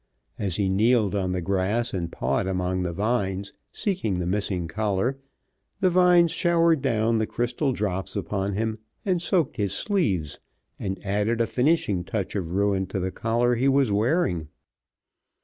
As he kneeled on the grass and pawed among the vines, seeking the missing collar, the vines showered down the crystal drops upon him, and soaked his sleeves, and added a finishing touch of ruin to the collar he was wearing.